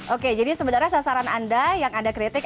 oke jadi sebenarnya sasaran anda yang anda kritik